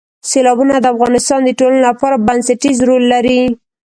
سیلابونه د افغانستان د ټولنې لپاره بنسټيز رول لري.